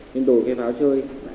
lên đồi khe pháo chơi